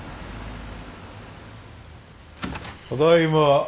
ただいま。